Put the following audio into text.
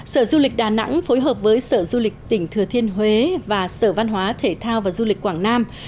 sở du lịch đà nẵng phối hợp với sở du lịch tỉnh thừa thiên huế và sở văn hóa thể thao và du lịch quảng nam